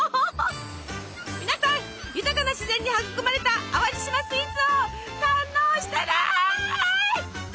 皆さん豊かな自然に育まれた淡路島スイーツを堪能してね！